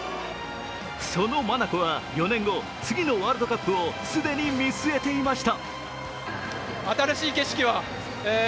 そのまなこは４年後、次のワールドカップを既に見据えていました。